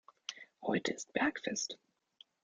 Heute ist Bergfest.